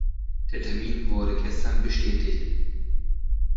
Der Termin wurde gestern bestätigt.